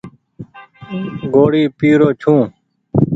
ڳوڙي پيرو ڇون ۔